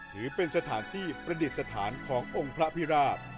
ถือเป็นสถานที่ประดิษฐานขององค์พระพิราบ